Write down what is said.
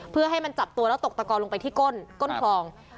เพื่อให้มันจับตัวแล้วตกตะกอลงไปที่ก้นคลอง